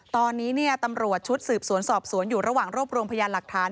ตอนนี้ตำรวจชุดสืบสวนสอบสวนอยู่ระหว่างรวบรวมพยานหลักฐาน